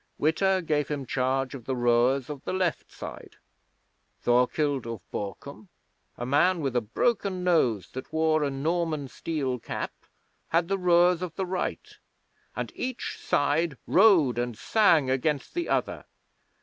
Witta gave him charge of the rowers of the left side. Thorkild of Borkum, a man with a broken nose, that wore a Norman steel cap, had the rowers of the right, and each side rowed and sang against the other.